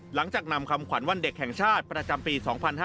หลังจากนำคำขวัญวันเด็กแห่งชาติประจำปี๒๕๕๙